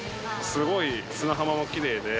すごい砂浜もきれいで。